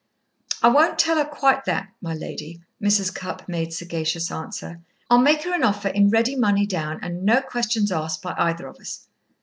"I won't tell her quite that, my lady," Mrs. Cupp made sagacious answer. "I'll make her an offer in ready money down, and no questions asked by either of us.